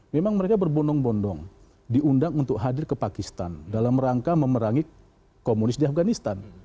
memang mereka berbondong bondong diundang untuk hadir ke pakistan dalam rangka memerangi komunis di afganistan